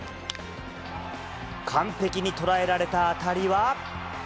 完璧に捉えられた当たりは。